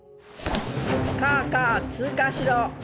カァカァ通過しろ。